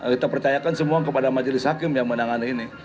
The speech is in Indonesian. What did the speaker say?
kita percayakan semua kepada majelis hakim yang menangani ini